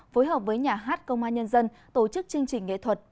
phối hợp với nhà hát công an nhân dân tổ chức chương trình nghệ thuật